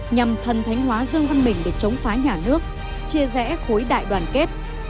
nhằm thần thánh hóa dương văn mình để chống phá nhà nước chia rẽ khối đại đoàn kết